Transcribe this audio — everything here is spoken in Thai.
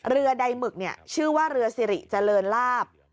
เรือใดหมึกชื่อว่าเรือสิริเจริญลาบ